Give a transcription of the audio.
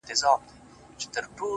هغه وه تورو غرونو ته رويا وايي ـ